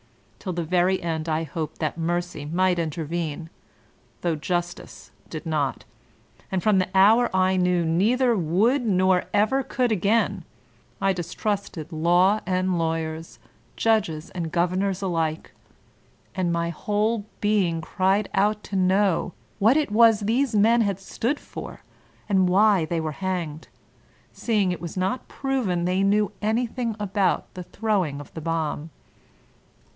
Till the very end I hoped that mercy might in tervene^ though justice did not; and from the hour I knew neither would nor ever could again, I distrusted law and bwyers, judges and governors alike. And my whole being cried out to know what it was these men had stood f or, and why they were hanged» seeing it was not proven they knew anything about tfie throwing of the bomb.